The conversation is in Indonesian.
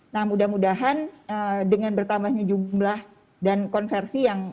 nah mudah mudahan dengan bertambahnya jumlah dan konversi yang